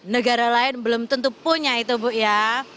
negara lain belum tentu punya itu bu ya